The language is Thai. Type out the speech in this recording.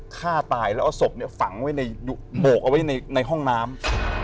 ฆ่าตายแล้วเอาศพฝังไว้ในโบกเอาไว้ในห้องน้ำ